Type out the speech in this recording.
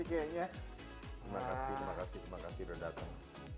terima kasih sudah datang